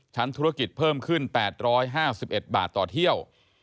ธุรกิจเพิ่มขึ้น๘๕๑บาทต่อเที่ยว